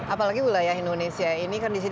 apalagi wilayah indonesia ini kan di indonesia kan